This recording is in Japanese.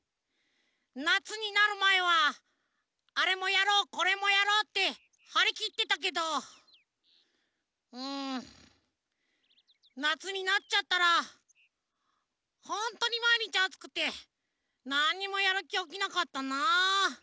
なつになるまえはあれもやろうこれもやろうってはりきってたけどうんなつになっちゃったらホントにまいにちあつくてなんにもやるきおきなかったなあ。